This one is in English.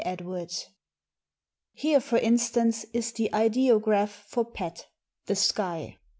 EDWARDS Here, for instance, is the ideograph for pet, v —^ the "sky."